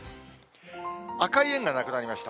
赤い円がなくなりました。